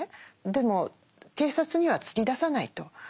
でも警察には突き出さないと。